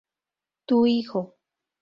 Tu hijo.